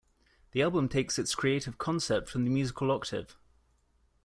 The album takes its creative concept from the musical octave.